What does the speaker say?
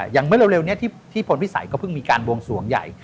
อย่างเมื่อเร็วนี้ที่พลพิสัยก็เพิ่งมีการบวงสวงใหญ่